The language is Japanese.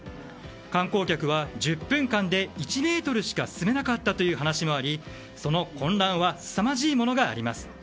観光客は１０分間で１ｍしか進めなかったという話もありその混乱はすさまじいものがあります。